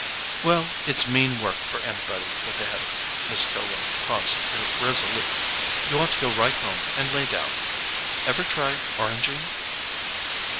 "Well, it's mean work for anybody with a headache." Miss Kilroy paused irresolutely. "You ought to go right home and lay down. Ever try orangeine?"